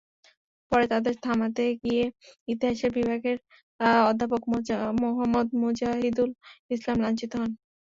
পরে তাঁদের থামাতে গিয়ে ইতিহাস বিভাগের অধ্যাপক মোহাম্মদ মোজাহিদুল ইসলাম লাঞ্ছিত হন।